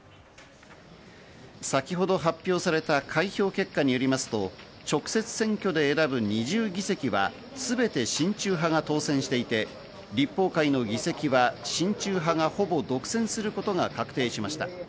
先ほど発表された開票結果によりますと、直接選挙で選ぶ２０議席は全て親中派が当選していて、立法会の議席は親中派がほぼ独占することが確定しました。